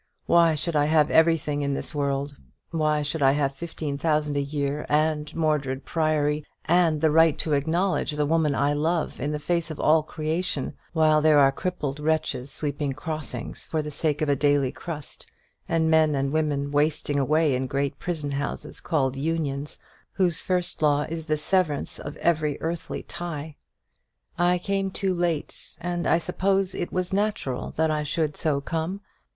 Why should I have everything in this world? Why should I have fifteen thousand a year, and Mordred Priory, and the right to acknowledge the woman I love in the face of all creation, while there are crippled wretches sweeping crossings for the sake of a daily crust, and men and women wasting away in great prison houses called Unions, whose first law is the severance of every earthly tie? I came too late, and I suppose it was natural that I should so come.